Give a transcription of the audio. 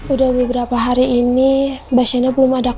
udah beberapa hari ini mbak shaina belum ada kamar